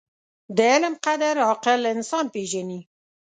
• د علم قدر، عاقل انسان پېژني.